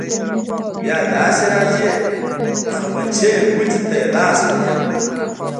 بیا داسې راځې خمچۍ ګوتې ته يې لاس ونیو.